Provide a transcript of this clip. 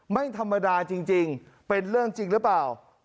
ไม่ธรรมดาจริงเป็นเรื่องจริงหรือเปล่า